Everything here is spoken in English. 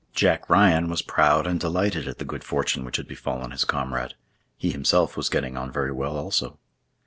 Jack Ryan was proud and delighted at the good fortune which had befallen his comrade. He himself was getting on very well also.